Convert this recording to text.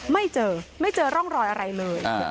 ไม่เจอไม่เจอร่องรอยอะไรเลย